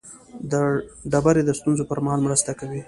ډبرې د ستونزو پر مهال مرسته کوي.